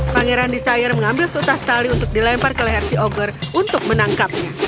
pangeran desire mengambil sutas tali untuk dilempar ke leher si ogar untuk menangkapnya